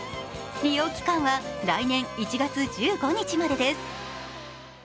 利用期間は来年１月１５日までです。